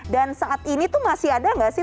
dan saat ini tuh masih ada nggak sih